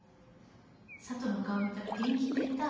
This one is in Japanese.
佐都の顔見たら元気出た。